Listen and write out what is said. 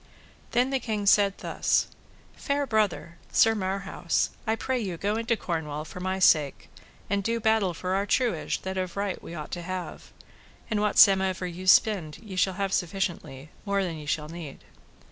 Then the king said thus: Fair brother, Sir Marhaus, I pray you go into Cornwall for my sake, and do battle for our truage that of right we ought to have; and whatsomever ye spend ye shall have sufficiently, more than ye shall need.